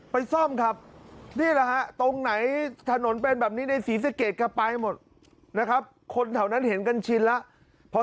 ซ่อมครับนี่แหละฮะตรงไหนถนนเป็นแบบนี้ในศรีสะเกดแกไปหมดนะครับคนแถวนั้นเห็นกันชินแล้ว